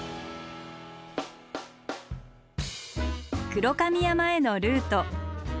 黒髪山へのルート。